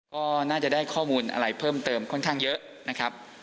ก็น่าจะได้ข้อมูลอะไรเพิ่มเติมค่อนข้างเยอะนะครับ